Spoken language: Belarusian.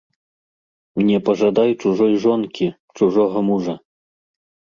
Не пажадай чужой жонкі, чужога мужа.